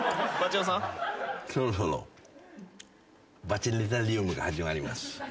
バチェネタリウムが始まります。